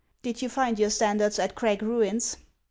Did you find your standards at Crag ruins